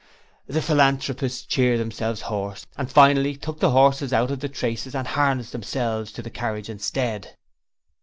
The Philanthropists cheered themselves hoarse and finally took the horses out of the traces and harnessed themselves to the carriage instead.